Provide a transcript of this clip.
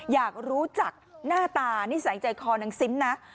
อยากรู้จักหน้าตานิสัยใจคอนางซิมนะ